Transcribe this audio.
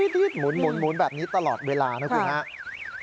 หืดหมุนแบบนี้ตลอดเวลานะครับ